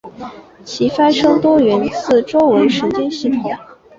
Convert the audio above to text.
其发生多源自周围神经系统。